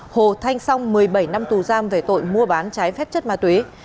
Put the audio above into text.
hồ thanh song một mươi bảy năm tù giam về tội mua bán trái phép chất ma túy